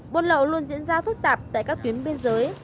buôn lậu luôn diễn ra phức tạp tại các tuyến biên giới